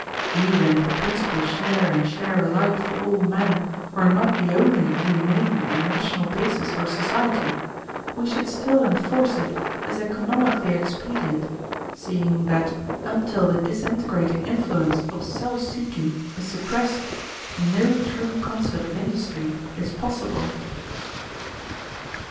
Even if the principle of share and share alike for all men were not the only humane and rational basis for a society, we should still enforce it as economically expedient, seeing that until the disintegrating influence of self seeking is suppressed no true concert of industry is possible."